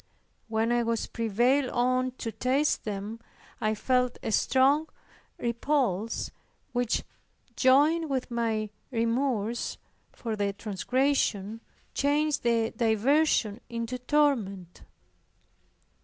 When I was prevailed on to taste them, I felt a strong repulse which, joined with my remorse for the transgression, changed the diversion into torment.